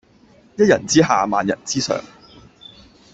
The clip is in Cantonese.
一人之下萬人之上